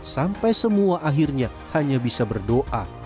sampai semua akhirnya hanya bisa berdoa